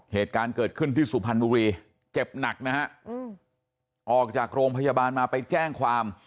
เหตุการณ์เกิดขึ้นที่สุพรรณบุรีเจ็บหนักนะฮะออกจากโรงพยาบาลมาไปแจ้งความ